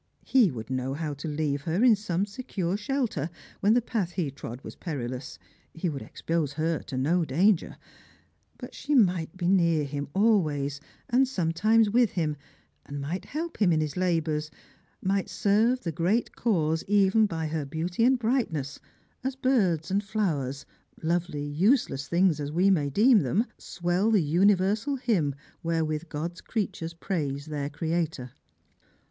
He would know how to leave her in some secure shelter when the path he trod was perilous — he would expose her to no danger — but she might be near him always, and sometimes with him, and might help him in his labours, might serve the great cause even by her beauty and brightness — as birds and flowers, lovely, useless, things as we may deem them, swell the universal hymn wherewith God's creatures praise their Creator.